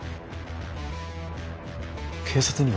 警察には？